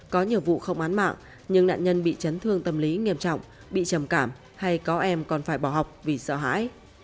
có nhiều vụ không án mạng nhưng nạn nhân bị chấn thương tâm lý nghiêm trọng bị trầm cảm hay có em còn phải bỏ học vì sợ hãi